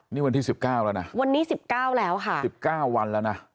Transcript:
นี่วันที่สิบเก้าแล้วน่ะวันนี้สิบเก้าแล้วค่ะสิบเก้าวันแล้วน่ะ